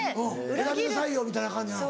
選びなさいよみたいな感じなの？